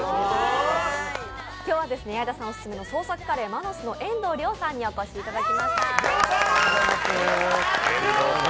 今日は矢井田さんオススメの創作カレーＭＡＮＯＳの遠藤僚さんにお越しいただきました。